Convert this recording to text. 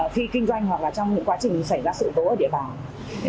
khi kinh doanh hoặc trong những quá trình xảy ra sự bình an